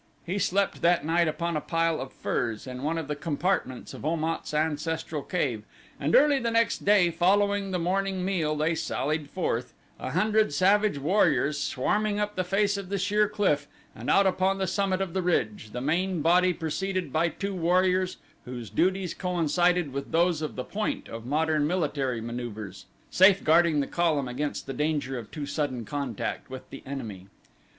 He slept that night upon a pile of furs in one of the compartments of Om at's ancestral cave, and early the next day following the morning meal they sallied forth, a hundred savage warriors swarming up the face of the sheer cliff and out upon the summit of the ridge, the main body preceded by two warriors whose duties coincided with those of the point of modern military maneuvers, safeguarding the column against the danger of too sudden contact with the enemy.